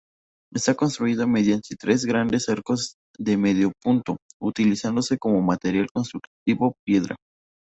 Está construido mediante tres grandes arcos de medio punto, utilizándose como material constructivo piedra.